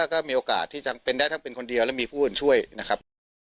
ได้ครับก็มีโอกาสที่จำเป็นได้ถ้าเป็นคนเดียวแล้วมีผู้คนช่วยนะครับ